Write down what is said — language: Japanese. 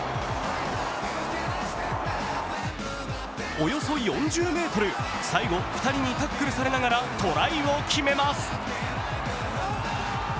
およそ４０ｍ、最後２人にタックルされながらトライを決めます。